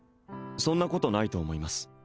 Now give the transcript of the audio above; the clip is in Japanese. そんなことないと思います